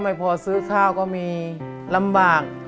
ไม่พอซื้อข้าวก็มีลำบาก